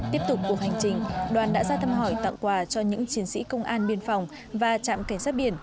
tiếp tục cuộc hành trình đoàn đã ra thăm hỏi tặng quà cho những chiến sĩ công an biên phòng và trạm cảnh sát biển